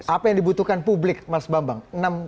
apa yang dibutuhkan publik mas bambang